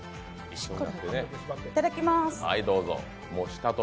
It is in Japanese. いただきまーす。